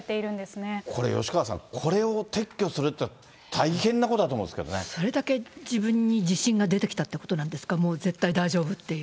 これ、吉川さん、これを撤去するっていうのは、大変なことだと思うんでそれだけ自分に自信が出てきたということなんですか、もう絶対大丈夫っていう。